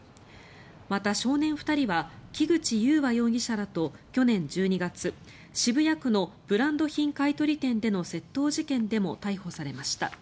また、少年２人は木口悠和容疑者らと去年１２月、渋谷区のブランド品買い取り店での窃盗事件でも逮捕されました。